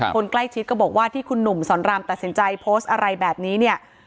คนใกล้ชิดก็บอกว่าที่คุณหนุ่มสอนรามตัดสินใจโพสต์อะไรแบบนี้เนี่ย